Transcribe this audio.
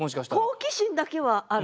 好奇心だけはある。